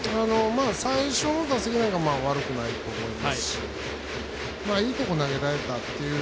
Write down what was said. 最初の打席なんか悪くないと思いますしいいところ投げられたと。